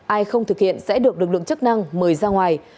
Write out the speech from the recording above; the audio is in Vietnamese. ai không thực hiện sẽ được lực lượng chức năng mời ra ngoài